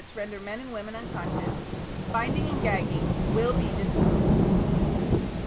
to render men and women unconscious, binding and gagging, will be disapproved."